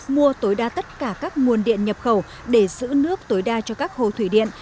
mua tối đa tất cả các nguồn điện nhập khẩu để giữ nước tối đa cho các hồ thủy điện